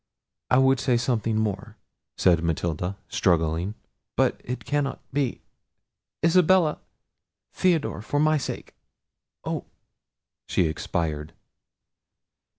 "I would say something more," said Matilda, struggling, "but it cannot be—Isabella—Theodore—for my sake—Oh!—" she expired.